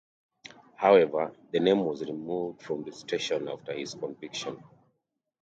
However, the name was removed from the station after his conviction.